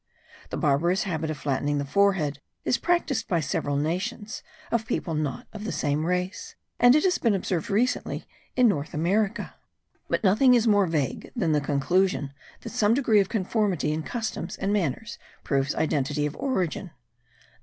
The barbarous habit of flattening the forehead is practised by several nations,* of people not of the same race; and it has been observed recently in North America; but nothing is more vague than the conclusion that some degree of conformity in customs and manners proves identity of origin.